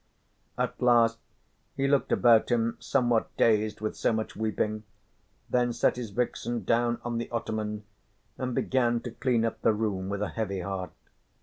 At last he looked about him somewhat dazed with so much weeping, then set his vixen down on the ottoman, and began to clean up the room with a heavy heart.